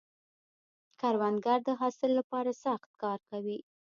کروندګر د حاصل له پاره سخت کار کوي